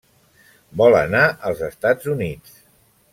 Vol anar als Estats Units.